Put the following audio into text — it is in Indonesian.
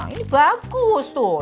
ini bagus tuh